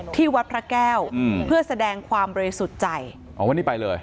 ที่วัดพระแก้วอืมเพื่อแสดงความบริสุทธิ์ใจอ๋อวันนี้ไปเลย